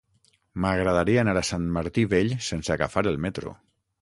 M'agradaria anar a Sant Martí Vell sense agafar el metro.